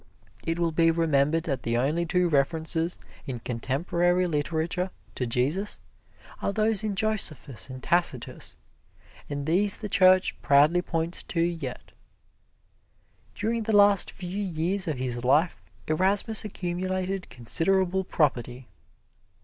It will be remembered that the only two references in contemporary literature to Jesus are those in Josephus and Tacitus, and these the Church proudly points to yet. During the last few years of his life Erasmus accumulated considerable property.